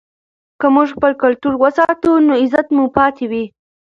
که موږ خپل کلتور وساتو نو عزت به مو پاتې وي.